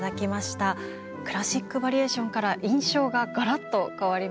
クラシック・バリエーションから印象がガラッと変わりました。